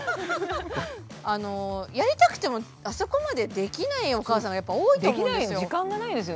やりたくてもあそこまでできないお母さんがやっぱり多いと思うんですよ。